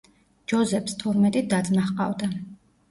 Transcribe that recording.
ჯოზეფს თორმეტი და-ძმა ჰყავდა.